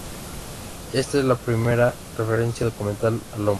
Esta es la primera referencia documental al nombre.